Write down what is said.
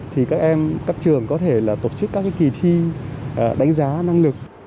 thì các trường có thể tổ chức các kỳ thi đánh giá năng lực